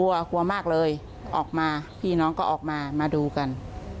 กลัวกลัวมากเลยออกมาพี่น้องก็ออกมามาดูกัน